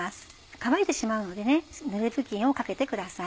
乾いてしまうのでぬれぶきんをかけてください。